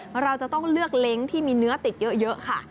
เราจะต้องเลือกเล้งที่มีเนื้อติดเยอะค่ะ